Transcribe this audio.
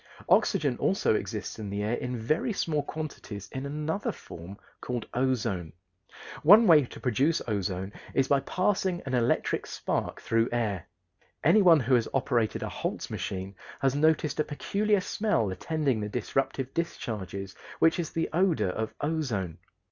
Oxygen also exists in the air in very small quantities in another form called ozone. One way to produce ozone is by passing an electric spark through air. Anyone who has operated a Holtz machine has noticed a peculiar smell attending the disruptive discharges, which is the odor of ozone.